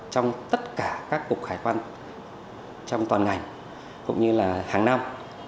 trong tất cả các cục hải quan trong toàn ngành cũng như là hàng năm